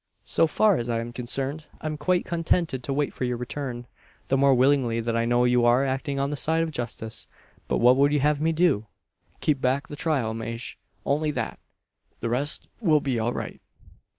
"So far as I am concerned, I'm quite contented to wait for your return; the more willingly that I know you are acting on the side of justice. But what would you have me do?" "Keep back the trial, Maje only that. The rest will be all right."